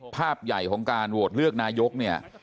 ภาพใหญ่ของการโหวตเลือกนายกเนี่ย